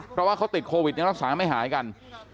เพราะว่าเขาติดโควิดยังรักษาไม่หายกัน